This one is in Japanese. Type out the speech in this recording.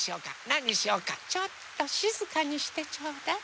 ちょっとしずかにしてちょうだい。